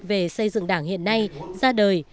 về xây dựng đảng hiện nay ra đời